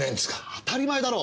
当たり前だろ。